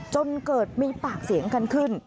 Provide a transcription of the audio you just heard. จนเกิดมีปากเสียงกันขึ้น